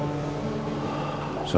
jadi tersangka pembunuhan roy